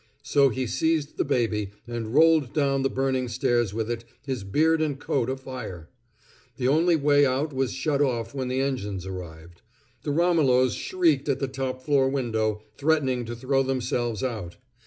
So he seized the baby, and rolled down the burning stairs with it, his beard and coat afire. The only way out was shut off when the engines arrived. The Romolos shrieked at the top floor window, threatening to throw themselves out.